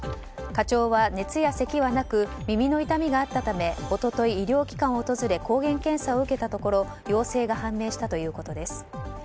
課長は熱やせきはなく耳の痛みがあったため一昨日、医療機関を訪れ抗原検査を受けたところ陽性が判明したということです。